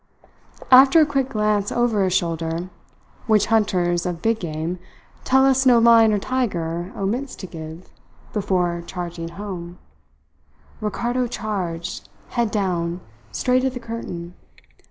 After a quick glance over his shoulder, which hunters of big game tell us no lion or tiger omits to give before charging home, Ricardo charged, head down, straight at the curtain.